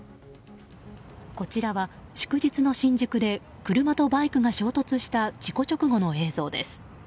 こちらは、祝日の新宿で車とバイクが衝突した事故直後の映像です。